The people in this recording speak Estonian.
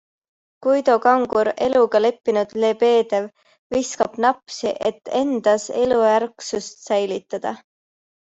Guido Kangur, eluga leppinud Lebedev, viskab napsi, et endas eluärksust säilitada.